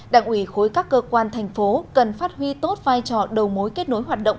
đảng ủy khối các cơ quan tp cần phát huy tốt vai trò đầu mối kết nối hoạt động